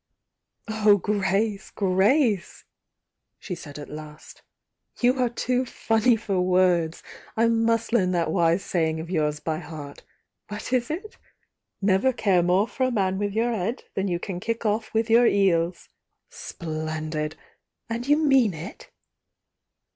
"Oh, Grace, Grace!" she said, at last. "You are too funny for words! I must learn that wise say ing of yours by heart! What is it? 'Never care more for a man with your 'ed than you can kick off with your 'eels'?— Splendid! And you mean it?"